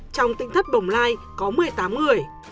trong tỉnh thất bồng lai có một mươi tám người